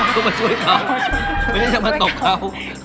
ก็มาช่วยเขาไม่ได้จะมาตบเขา